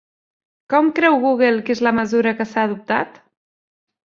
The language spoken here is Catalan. Com creu Google que és la mesura que s'ha adoptat?